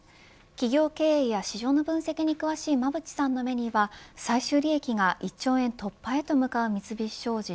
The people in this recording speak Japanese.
企業経営や市場の分析に詳しい馬渕さんの目には最終利益が１兆円突破へと向かう三菱商事